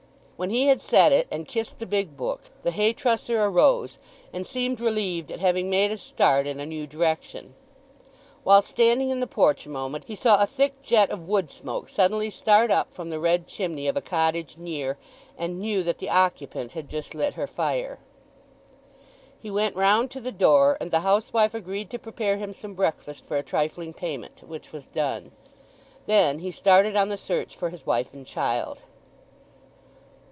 When he had said it and kissed the big book, the hay trusser arose, and seemed relieved at having made a start in a new direction. While standing in the porch a moment he saw a thick jet of wood smoke suddenly start up from the red chimney of a cottage near, and knew that the occupant had just lit her fire. He went round to the door, and the housewife agreed to prepare him some breakfast for a trifling payment, which was done. Then he started on the search for his wife and child.